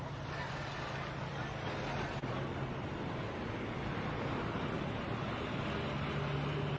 นี่นี่นี่นี่นี่นี่นี่นี่นี่นี่นี่นี่